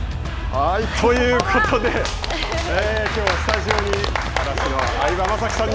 ということできょうは、スタジオに嵐の相葉雅紀さんに。